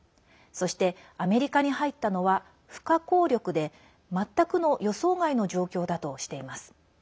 そしてアメリカに入ったのは不可抗力で全くの予想外の状況だとしています。